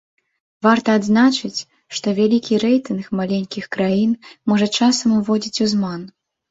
Варта адзначыць, што вялікі рэйтынг маленькіх краін можа часам уводзіць у зман.